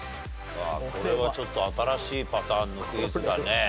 これはちょっと新しいパターンのクイズだね。